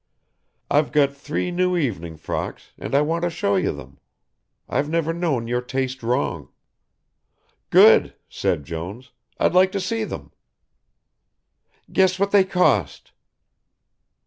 I've got three new evening frocks and I want to show you them. I've never known your taste wrong." "Good," said Jones, "I'd like to see them." "Guess what they cost?"